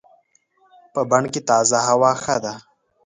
په بڼ کې تازه هوا ښه ده.